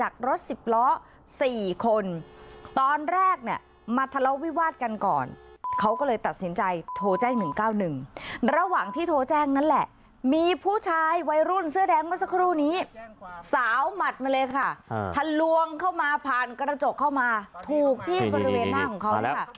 เขาเลยตัดสินใจโทรแจ้ง๑๙๑ระหว่างที่โทรแจ้งนั้นแหละมีผู้ชายวัยรุ่นเสื้อแดงมาสักครู่นี้สาวหมัดมาเลยค่ะทันลวงเข้ามาผ่านกระจกเข้ามาถูกที่ประเวณหน้าของเขาเลยค่ะ